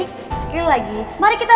untuk semua journal di kota indonesia